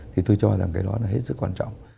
thì tôi cho rằng cái đó là hết sức quan trọng